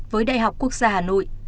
với đại học quốc gia hà nội